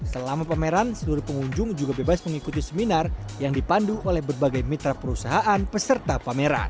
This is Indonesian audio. selama pameran seluruh pengunjung juga bebas mengikuti seminar yang dipandu oleh berbagai mitra perusahaan peserta pameran